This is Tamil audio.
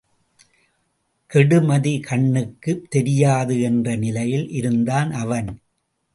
கெடுமதி கண்ணுக்குத் தெரியாது என்ற நிலையில் இருந்தான் அவன்.